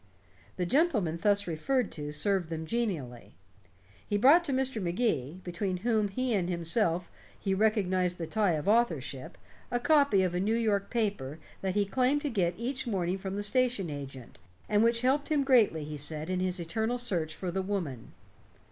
The gentleman thus referred to served them genially. He brought to Mr. Magee, between whom and himself he recognized the tie of authorship, a copy of a New York paper that he claimed to get each morning from the station agent, and which helped him greatly, he said, in his eternal search for the woman.